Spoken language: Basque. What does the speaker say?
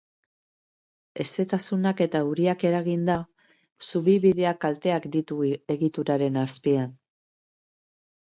Hezetasunak eta euriak eraginda, zubibideak kalteak ditu egituraren azpian.